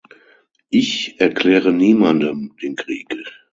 Ich erkläre niemandem den Krieg.